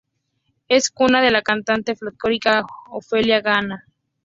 Es cuna de la cantante folklórica Ofelia Gana.